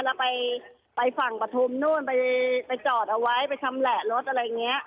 แล้วไปฝั่งปฐุมนู่นไปจอดเอาไว้ไปชำแหละรถอะไรอย่างนี้